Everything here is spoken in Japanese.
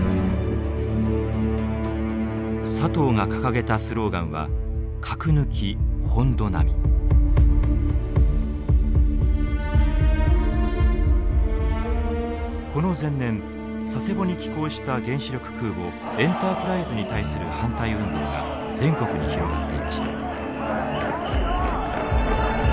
佐藤が掲げたスローガンはこの前年佐世保に寄港した原子力空母エンタープライズに対する反対運動が全国に広がっていました。